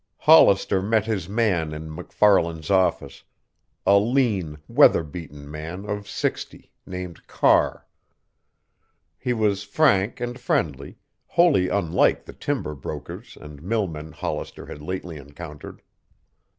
Hollister met his man in MacFarlan's office, a lean, weather beaten man of sixty, named Carr. He was frank and friendly, wholly unlike the timber brokers and millmen Hollister had lately encountered.